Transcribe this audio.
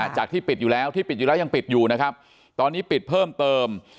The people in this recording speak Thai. จากที่ปิดอยู่แล้วที่ปิดอยู่แล้วยังปิดอยู่นะครับตอนนี้ปิดเพิ่มเติม